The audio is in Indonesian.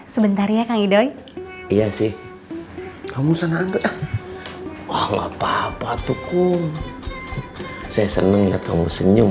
sebentar ya kang ido iya sih kamu senang ah ah ah apa apa tuh kum saya senengnya kamu senyum